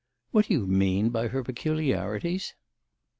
"What do you mean by her peculiarities?"